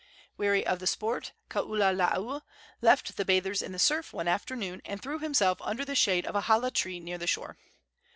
Weary of the sport, Kaululaau left the bathers in the surf, one afternoon, and threw himself under the shade of a hala tree near the shore.